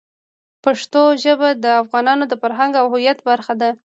پښتو ژبه د افغانانو د فرهنګ او هویت برخه ده.